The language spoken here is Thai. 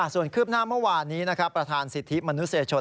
ส่วนคืบหน้าเมื่อวานนี้ประธานสิทธิมนุษยชน